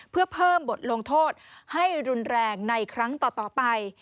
เพื่อเพิ่มบทลงโทษให้รุนแรงในครั้งต่อไป